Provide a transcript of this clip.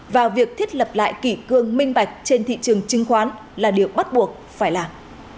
và việc thiết lập lại kỷ cương minh bạch trên thị trường chứng khoán là điều bắt buộc phải làm